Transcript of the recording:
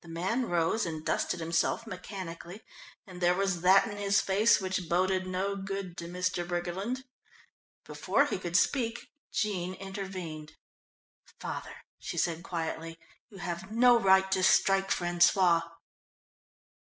The man rose and dusted himself mechanically and there was that in his face which boded no good to Mr. Briggerland. Before he could speak Jean intervened. "Father," she said quietly, "you have no right to strike François."